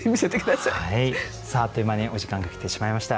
さああっという間にお時間が来てしまいました。